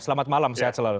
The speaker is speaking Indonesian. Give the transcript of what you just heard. selamat malam sehat selalu